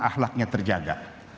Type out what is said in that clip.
agar ahlaknya terjaga